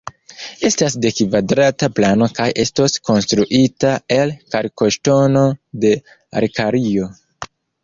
Estas de kvadrata plano kaj estos konstruita el kalkoŝtono de Alkario.